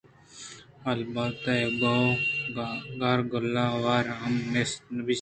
البت اِے گوں کارگال ءَ ھوار ھم نبیسّگ بیت